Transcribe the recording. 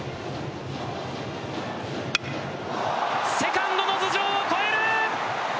セカンドの頭上を越える！